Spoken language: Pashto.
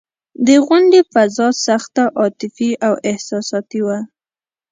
د غونډې فضا سخته عاطفي او احساساتي وه.